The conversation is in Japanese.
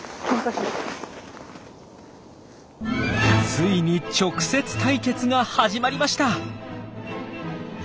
ついに直接対決が始まりました！